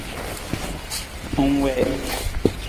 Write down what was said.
Ng wii.